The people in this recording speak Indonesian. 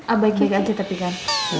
ah baik baik aja tapi kan